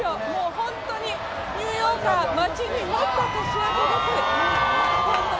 本当に、ニューヨーカー待ちに待った年明けです。